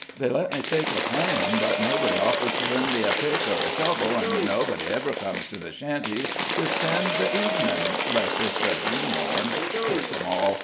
They let me stake a claim, but nobody offers to lend me a pick or a shovel, an' nobody ever comes to the shanty to spend the evenin', 'less it's a greenhorn. Curse 'em all!